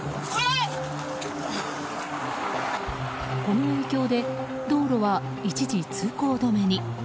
この影響で道路は一時通行止めに。